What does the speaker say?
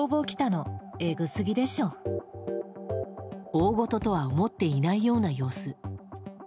大ごととは思っていないような様子。